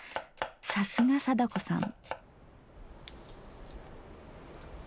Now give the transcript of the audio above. さすが貞子さん。